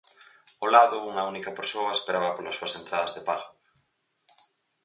Ao lado, unha única persoa esperaba polas súas entradas de pago.